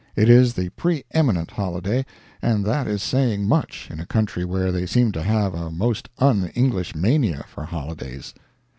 It is the pre eminent holiday; and that is saying much, in a country where they seem to have a most un English mania for holidays.